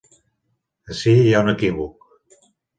Ací hi ha un equívoc.